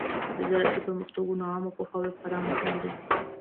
د زراعتي پرمختګونو عامه پوهاوی خورا مهم دی.